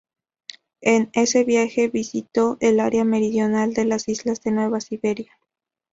En ese viaje, visitó el área meridional de las islas de Nueva Siberia.